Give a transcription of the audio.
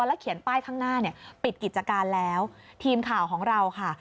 แล้วเขียนป้ายข้างหน้าเนี่ยปิดกิจการแล้วทีมข่าวของเราค่ะ